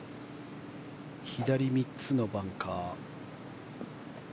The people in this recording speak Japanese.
左３つのバンカー。